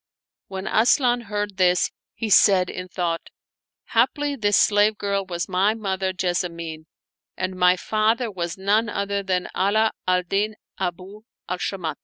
When Asian heard this, he said in thought, " Haply this slave girl was my mother Jessamine, and my father was none other than Ala al Din Abu al Shamat."